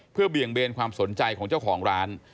เพื่อเบี่ยงเบนความสนใจของเจ้าของร้าน